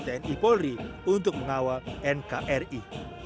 kita stand ipolri untuk mengawal nkri